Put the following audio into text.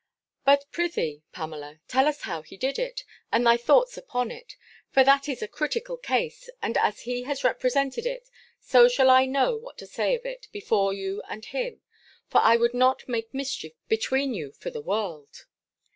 But pr'ythee, Pamela, tell us how he did it, and thy thoughts upon it, for that is a critical case, and as he has represented it, so shall I know what to say of it before you and him: for I would not make mischief between you for the world.